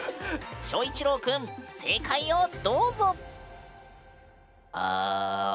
翔一郎くん正解をどうぞ！